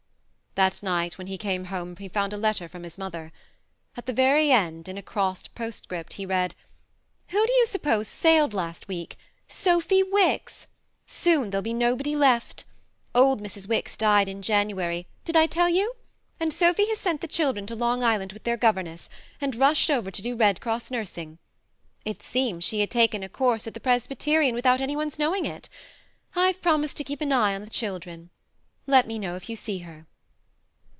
That night when he came home he found a letter from his mother. At the very end, in a crossed postscript, he read :" Who do you suppose sailed last week? Sophy Wicks. Soon there'll be nobody left! Old Mrs. Wicks died in January did I tell you ? and Sophy has sent the children to Long Island with their governess, and rushed over to do Red Cross nursing. It seems she had taken a course at the 88 THE MARNE Presbyterian without any one's knowing it. I've promised to keep an eye on the children. Let me know if you see her."